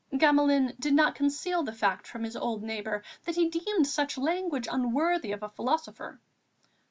Gamelin did not conceal the fact from his old neighbour that he deemed such language unworthy of a philosopher.